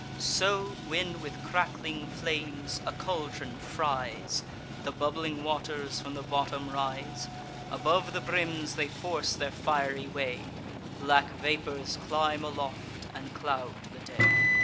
So, when with crackling flames a caldron fries, The bubbling waters from the bottom rise: Above the brims they force their fiery way; Black vapours climb aloft, and cloud the day.